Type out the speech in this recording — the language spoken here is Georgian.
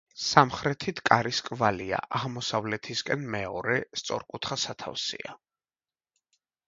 სამხრეთით კარის კვალია, აღმოსავლეთისკენ მეორე სწორკუთხა სათავსია.